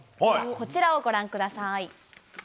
こちらをご覧ください。